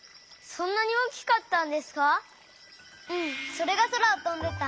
それがそらをとんでた。